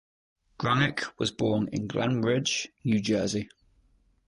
Granick was born in Glen Ridge, New Jersey.